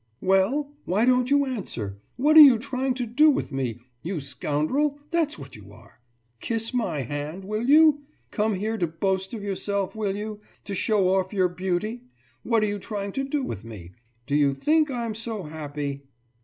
»Well? Why don't you answer? What are you trying to do with me? You scoundrel that's what you are! Kiss my hand, will you? Come here to boast of yourself, will you? To show off your beauty! What are you trying to do with me? Do you think I'm so happy?